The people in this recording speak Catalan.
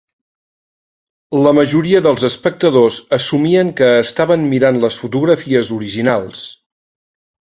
La majoria dels espectadors assumien que estaven mirant les fotografies originals.